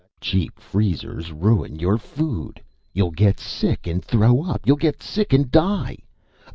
Cheap freezers ruin your food. You'll get sick and throw up. You'll get sick and die.